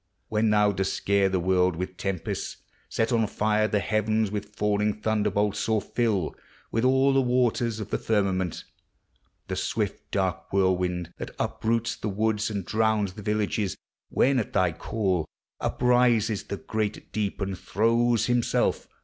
when thou Dost scare the world with tempests, set on fire The heavens with falling thunderbolts, or fill, With all the waters of the firmament, The swift dark whirlwind that uproots the woods And drowns the villages; when, at thy call, Uprises the great deep, and throws himself TREES: FLOWERS: PLANTS.